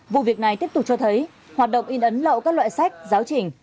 vụ việc này tiếp tục cho thấy hoạt động in ấn lậu các loại sách giáo trình